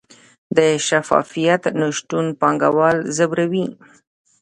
د شفافیت نشتون پانګوال ځوروي؟